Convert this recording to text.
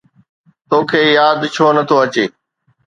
توکي ياد ڇو نٿو اچي؟